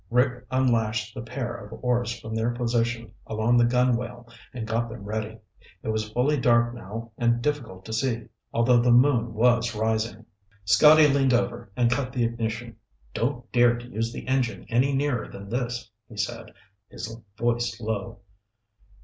Rick unlashed the pair of oars from their position along the gunwale and got them ready. It was fully dark now and difficult to see, although the moon was rising. Scotty leaned over and cut the ignition. "Don't dare to use the engine any nearer than this," he said, his voice low.